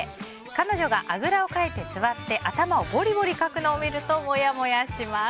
彼女が、あぐらをかいて座って頭をぼりぼりかくのを見るとモヤモヤします。